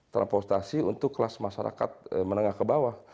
transportasi untuk kelas masyarakat menengah ke bawah